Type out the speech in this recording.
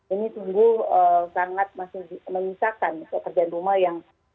ini sungguh sangat masih menyisakan pekerjaan rumah yang